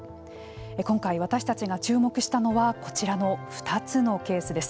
今回、私たちが注目したのはこちらの２つのケースです。